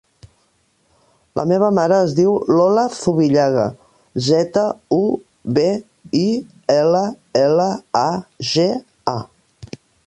La meva mare es diu Lola Zubillaga: zeta, u, be, i, ela, ela, a, ge, a.